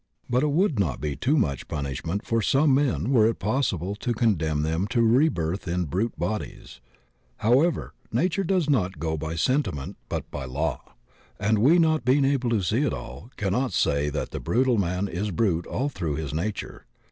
But it would not be too much punishment for some men were it possible to con demn them to rebirth in brute bodies; however, na ture does not go by sentiment but by law, and we, not being able to see all, cannot say that the brutal man is brute all through his nature.